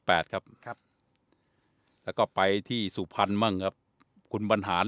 ครับครับแล้วก็ไปที่สุพรรณบ้างครับคุณบรรหาร